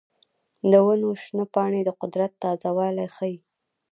د ونو شنه پاڼې د قدرت تازه والی ښيي.